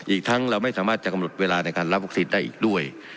อีกทั้งเราไม่สามารถจะกำหนดเวลาในการรับวัคซีนได้อีกด้วย